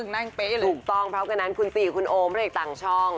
ถูกต้องเพราะฉะนั้นคุณซีคุณโอมและอีกต่างช่อง